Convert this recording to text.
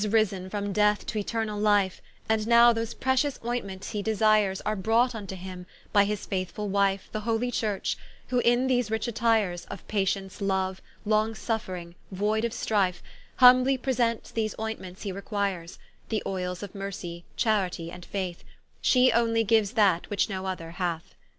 ¶ For he is rize from Death t'Eternall Life, And now those pretious oyntments he desires Are brought vnto him, by his faithfull Wife The holy Church; who in those rich attires, Of Patience, Loue, Long suffring, Voide of strife, Humbly presents those oyntments he requires: The oyles of Mercie, Charitie, and Faith, Shee onely giues that which no other hath.